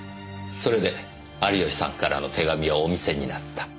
それで有吉さんからの手紙をお見せになった。